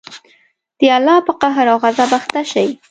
د الله په قهر او غصب اخته شئ.